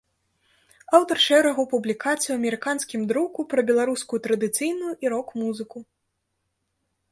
Аўтар шэрагу публікацый у амерыканскім друку пра беларускую традыцыйную і рок-музыку.